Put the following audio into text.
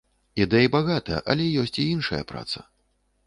Ідэй багата, але ёсць і іншая праца.